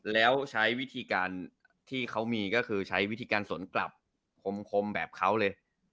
แล้วใช้วิธีการที่เขามีก็คือใช้วิธีการสนกลับคมแบบเขาเลย